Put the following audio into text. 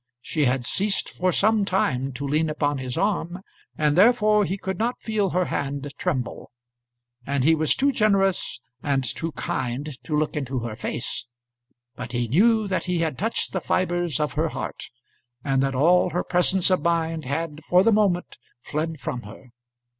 She had ceased for some time to lean upon his arm, and therefore he could not feel her hand tremble; and he was too generous and too kind to look into her face; but he knew that he had touched the fibres of her heart, and that all her presence of mind had for the moment fled from her.